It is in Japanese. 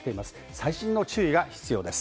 細心の注意が必要です。